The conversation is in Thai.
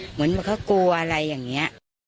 เหมือนเขากลัวอะไรอย่างนี้